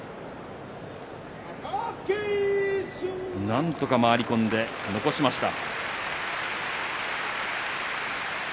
なんとか回り込んで残しました。